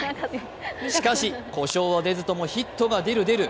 しかしこしょうは出ずともヒットが出る出る。